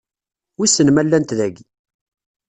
Wissen ma llant dagi?